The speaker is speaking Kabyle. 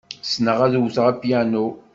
Ssneɣ ad wteɣ apyanu.